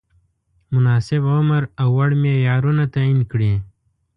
مناسب عمر او وړ معیارونه تعین کړي.